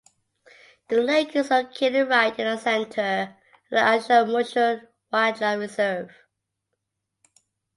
The lake is located right in the centre of the Ashuapmushuan Wildlife Reserve.